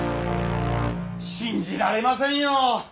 信じられませんよ！